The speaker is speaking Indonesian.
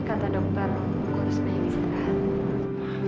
kata dokter aku harus bayang istirahat